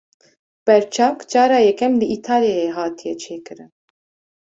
Berçavk cara yekem li Îtalyayê hatiye çêkirin.